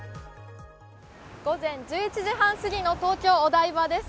午前１１時半すぎの東京・お台場です。